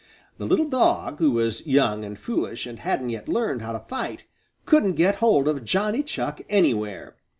The little dog, who was young and foolish and hadn't yet learned how to fight, couldn't get hold of Johnny Chuck anywhere.